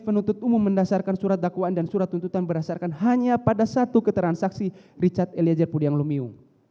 f penuntut umum mendasarkan surat dakwaan dan surat tuntutan berdasarkan hanya pada satu keterangan saksi richard elijah pudyanglumiu